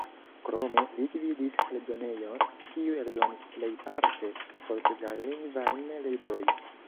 Krome li gvidis eldonejon, kiu eldonis plejparte portugallingvajn librojn.